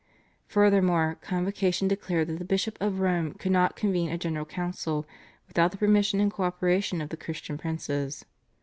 Furthermore, Convocation declared that the Bishop of Rome could not convene a General Council without the permission and co operation of the Christian princes.